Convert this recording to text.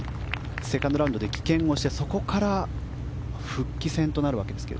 セカンドラウンドで棄権してそこから復帰戦となるわけですが。